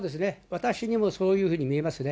私にもそういうふうに見えますね。